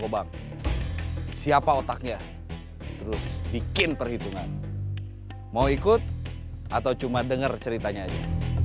gobang siapa otaknya bikin perhitungan mau ikut atau cuma denger ceritanya aja